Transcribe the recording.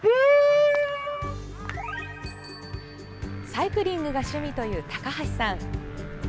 サイクリングが趣味という高橋さん。